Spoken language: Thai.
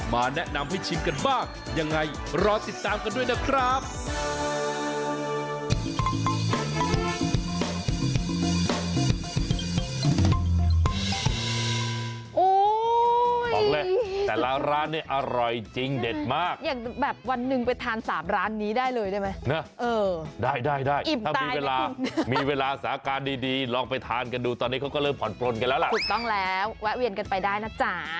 แนะนำให้ชิมกันบ้างยังไงรอติดตามกันด้วยนะครับ